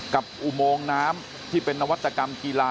อุโมงน้ำที่เป็นนวัตกรรมกีฬา